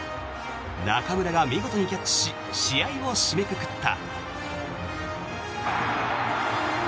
中村が見事にキャッチし試合を締めくくった。